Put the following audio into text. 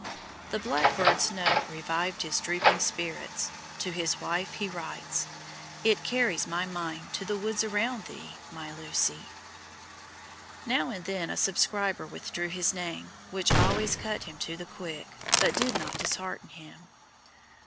The black birds' note revived his drooping spirits: to his wife he writes, "it carries my mind to the woods around thee, my Lucy." Now and then a subscriber withdrew his name, which always cut him to the quick, but did not dishearten him.